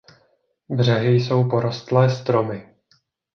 Břehy jsou porostlé stromy.